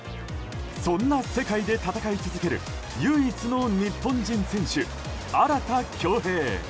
そんな世界で戦い続ける唯一の日本人選手、荒田恭兵。